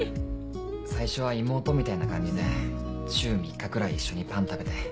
最初は妹みたいな感じで週３日くらい一緒にパン食べて。